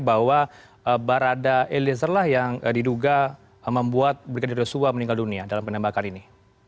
bahwa barada eliezer lah yang diduga membuat brigadir yosua meninggal dunia dalam penembakan ini